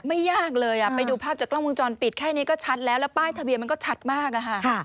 ไม่ยากเลยไปดูภาพจากกล้องวงจรปิดแค่นี้ก็ชัดแล้วแล้วป้ายทะเบียนมันก็ชัดมากอะค่ะ